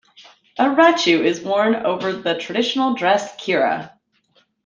A rachu is worn over the traditional dress kira.